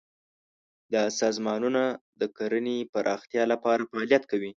دا سازمانونه د کرنې پراختیا لپاره فعالیت کوي.